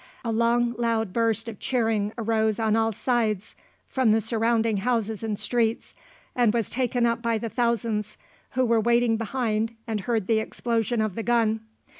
A long loud burst of cheering arose on all sides from the surrounding houses and streets, and was taken up by the thousands who were waiting behind and heard the explosion of the gun.